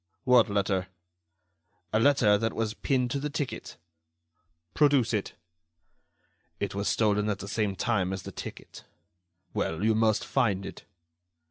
"What letter?" "A letter that was pinned to the ticket." "Produce it." "It was stolen at the same time as the ticket." "Well, you must find it."